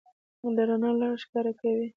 دا رڼا لاره ښکاره کوي.